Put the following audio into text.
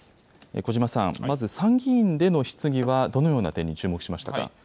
小嶋さん、まず参議院での質疑はどのような点に注目しましたか。